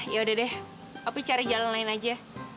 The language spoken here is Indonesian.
yaudah deh aku cari jalan lain aja